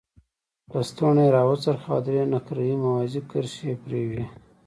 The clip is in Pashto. لستوڼی یې را وڅرخاوه او درې نقره یي موازي کرښې یې پرې وې.